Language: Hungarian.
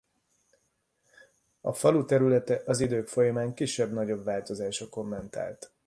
A falu területe az idők folyamán kisebb-nagyobb változásokon ment át.